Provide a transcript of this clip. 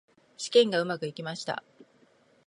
試験がうまくいきました。